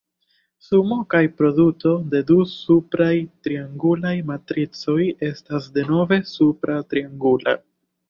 Sumo kaj produto de du supraj triangulaj matricoj estas denove supra triangula.